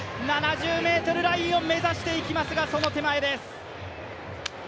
７０ｍラインを目指していきますがその手前です。